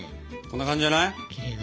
こんな感じじゃない？